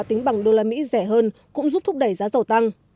tính bằng usd rẻ hơn cũng giúp thúc đẩy giá dầu tăng